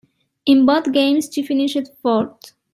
In both Games she finished fourth.